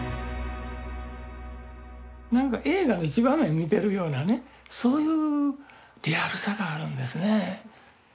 なんか映画の一場面見てるようなねそういうリアルさがあるんですね。